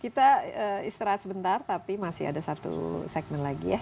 kita istirahat sebentar tapi masih ada satu segmen lagi ya